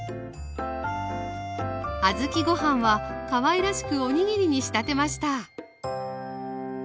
小豆ご飯はかわいらしくおにぎりに仕立てました